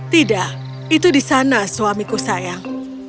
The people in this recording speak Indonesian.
tidak itu di sana suamiku sayang